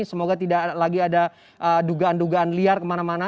semoga tidak lagi ada dugaan dugaan liar kemana mana